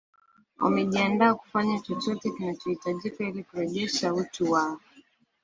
wamejiandaa kufanya chochote kinachohitajika ili kurejesha utu wao